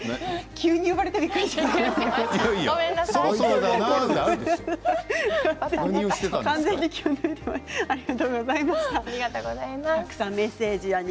急に呼ばれてびっくりしましたよね。